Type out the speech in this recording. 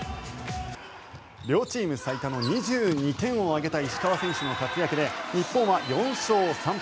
両チーム最多の２２点を挙げた石川選手の活躍で日本は４勝３敗。